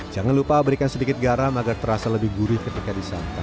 jangan lupa berikan sedikit garam agar terasa lebih gurih ketika disantap